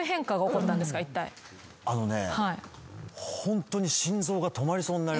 あのね。